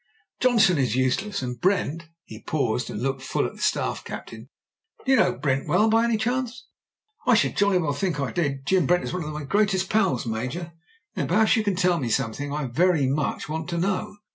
"Johnson is useless, and Brent " He paused, and looked full at the Staff captain. "Do you know Brent well, by any chance ?" "I should jolly well think I did. Jim Brent is one of my greatest pals. Major." "Then perhaps you can tell me something I very much want to know.